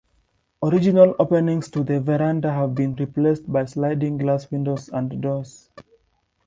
Original openings to the verandah have been replaced by sliding glass windows and doors.